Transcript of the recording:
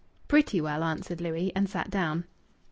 "Pretty well," answered Louis, and sat down.